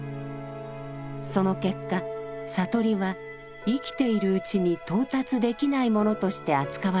その結果悟りは生きているうちに到達できないものとして扱われるようになります。